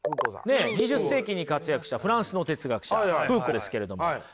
２０世紀に活躍したフランスの哲学者フーコーですけれども。